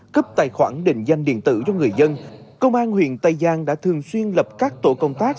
cấp tài khoản định danh điện tử cho người dân công an huyện tây giang đã thường xuyên lập các tổ công tác